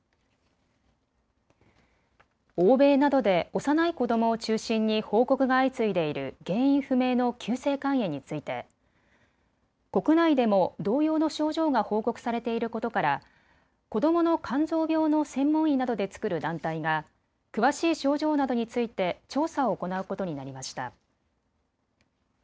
欧米などで幼い子どもを中心に報告が相次いでいる原因不明の急性肝炎について国内でも同様の症状が報告されていることから子どもの肝臓病の専門医などで作る団体が詳しい症状などについて調査を行うことになりました。